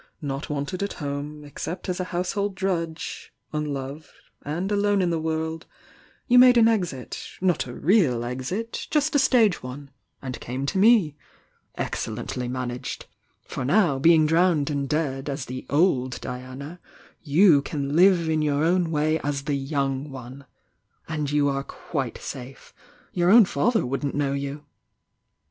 Not wanted at home, except^ a housSold drudge unlov^ and ^o^ in the world, you made an exitr not a real exit THE YOUNG DIANA 2A0 just s stage one I— and came to met Excellently managed I — for now, being drowned and dead, as the old Diana, you can live in your own way as Uie young one! And you are quite safe! Your own father wouldn't know you!"